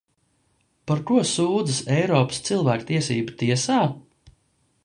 Par ko sūdzas Eiropas cilvēktiesību tiesā?